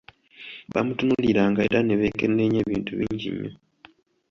Baatunuuliranga era ne beekenneenya ebintu bingi nnyo.